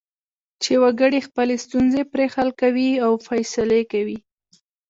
چې وګړي خپلې ستونزې پرې حل کوي او فیصلې کوي.